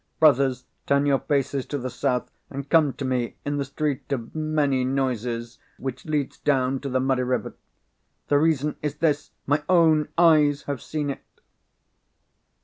"Brothers, turn your faces to the south, and come to me in the street of many noises, which leads down to the muddy river. "The reason is this. "My own eyes have seen it."